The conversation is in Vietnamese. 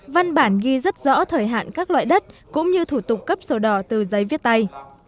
văn bản ghi rất rõ thời hạn các loại đất cũng như thủ tục cấp sổ đỏ từ giấy viết tay